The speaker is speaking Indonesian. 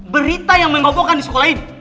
berita yang mengobokkan di sekolah ini